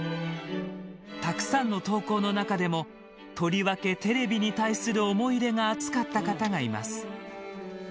たくさんの投稿の中でもとりわけテレビに対する思い入れが熱かった方がいます。